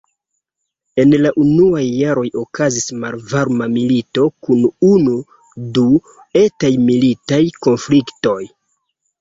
En la unuaj jaroj okazis malvarma milito kun unu-du etaj militaj konfliktoj.